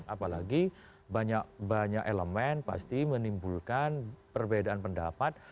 apalagi banyak banyak elemen pasti menimbulkan perbedaan pendapat